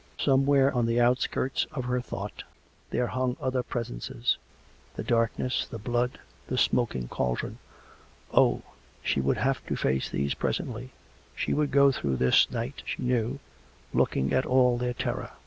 ... Somewhere on the outskirts of her thought there hung other presences: the darkness, the blood, the smoking cauldron. ... Oh ! she would have to face these presently; she would go through this night, she knew, looking at all their terror.